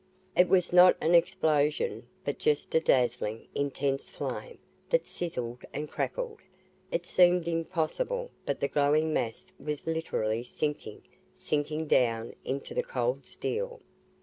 It was not an explosion, but just a dazzling, intense flame that sizzled and crackled. It seemed impossible, but the glowing mass was literally sinking, sinking down into the cold steel.